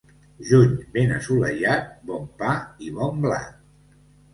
Juny ben assolellat, bon pa i bon blat.